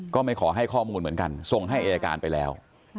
ก็ไม่ขอให้ข้อมูลเหมือนกันส่งให้อายการไปแล้ว